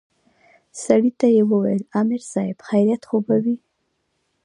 سړي ته يې وويل امر صايب خيريت خو به وي.